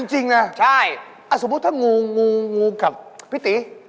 จริงน่ะสมมุติถ้างูพี่ตี